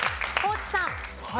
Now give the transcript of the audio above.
地さん。